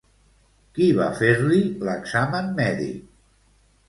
Qui va fer-li l'examen mèdic?